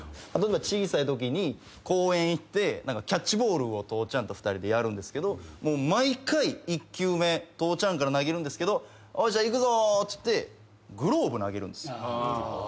例えば小さいときに公園行ってキャッチボールを父ちゃんと２人でやるんですけどもう毎回１球目父ちゃんから投げるんですけど「じゃあいくぞ」っつってグローブ投げるんですよ。